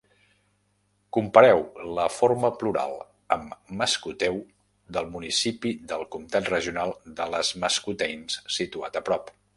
Compareu la forma plural amb maskutew, del municipi del comtat regional de Les Maskoutains situat a prop.